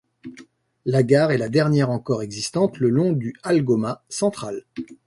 La gare est la dernière encore existante le long du Algoma Central.